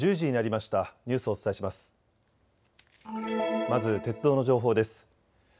まず鉄道の情報です。